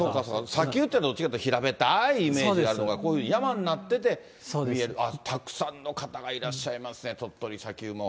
砂丘ってどっちかっていうと平べったいイメージあるから、こういう山になってて、たくさんの方がいらっしゃいますね、鳥取砂丘も。